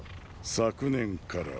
昨年から。